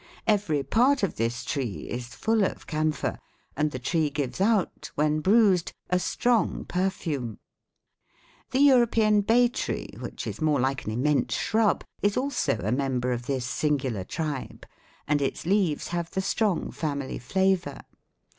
Every part of this tree is full of camphor, and the tree gives out, when bruised, a strong perfume. "The European bay tree, which is more like an immense shrub, is also a member of this singular tribe, and its leaves have the strong family flavor.